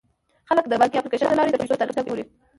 خلک د بانکي اپلیکیشن له لارې د پيسو تاریخچه ګوري.